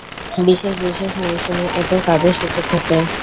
বিশেষ বিশেষ মৌসুমে এদের কাজের সুযোগ ঘটে।